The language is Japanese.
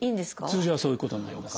通常はそういうことになります。